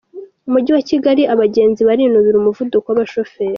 Umujyi wa Kigali Abagenzi barinubira umuvuduko w’abashoferi